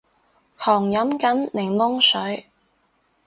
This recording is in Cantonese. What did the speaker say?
狂飲緊檸檬水